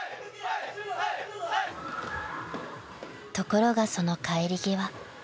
［ところがその帰り際］